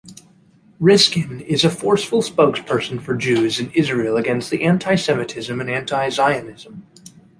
Riskin is a forceful spokesperson for Jews and Israel against anti-Semitism and anti-Zionism.